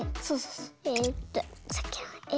えっとさっきのａ。